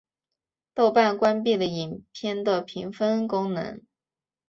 豆瓣关闭了影片的评分功能。